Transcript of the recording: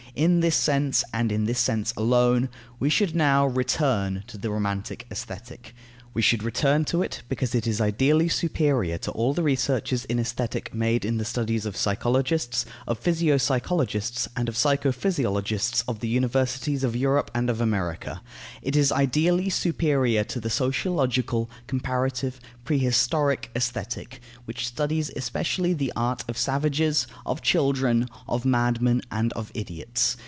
In this sense, and in this sense alone, we should now "return" to the romantic Aesthetic. We should return to it, because it is ideally superior to all the researches in Aesthetic made in the studies of psychologists, of physio psychologists, and of psycho physiologists of the universities of Europe and of America. It is ideally superior to the sociological, comparative, prehistoric Aesthetic, which studies especially the art of savages, of children, of madmen, and of idiots.